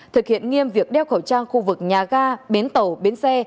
thực hiện nghiêm việc đeo khẩu trang khu vực nhà ga bến tàu bến xe